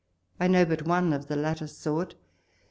I know but one of the latter sort.